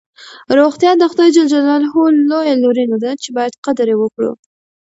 روغتیا د خدای ج لویه لورینه ده چې باید قدر یې وکړو.